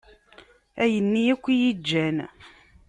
Ayen-nni akk i yi-iǧǧan.